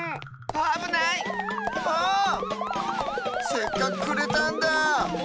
せっかくくれたんだ。